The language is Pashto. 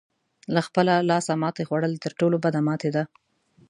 له خپله لاسه ماتې خوړل تر ټولو بده ماتې ده.